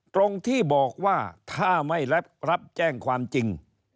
ตรงที่บอกว่าถ้าไม่รับแจ้งความจริง